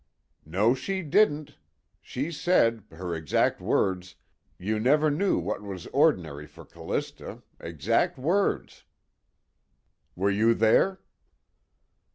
"No she didn't! She said, her exact words, 'you never knew what was ordinary for Callista' exact words." "Were you there?"